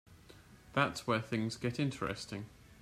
That's where things get interesting.